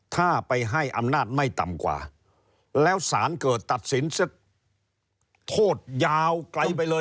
ถ้าไปให้อำนาจไม่ต่ำกว่าแล้วสารเกิดตัดสินโทษยาวไกลไปเลย